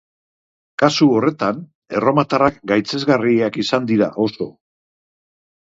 Kasu horretan, erromatarrak gaitzesgarriak izan dira oso.